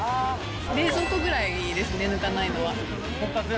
冷蔵庫ぐらいですね、抜かないのは。